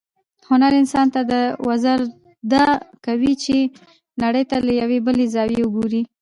هنر انسان ته دا ورزده کوي چې نړۍ ته له یوې بلې زاویې وګوري.